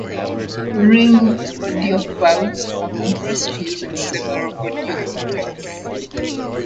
RealAudio files are compressed using several audio codecs.